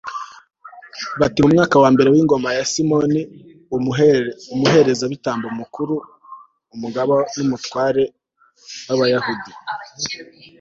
bati mu mwaka wa mbere w'ingoma ya simoni, umuherezabitambo mukuru, umugaba n'umutware w'abayahudi